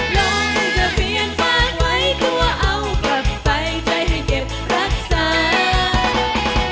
ลงทะเบียนฝากไว้ตัวเอากลับไปใจให้เก็บรักษา